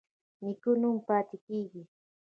نیک نوم پاتې کیږي